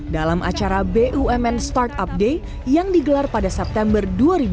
dalam acara bumn startup day yang digelar pada september dua ribu dua puluh